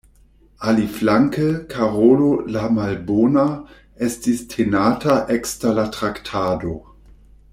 Aliflanke, Karolo la Malbona estis tenata ekster la traktado.